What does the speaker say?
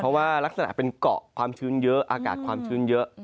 เพราะว่าลักษณะเป็นเกาะอากาศความชื้นเยอะ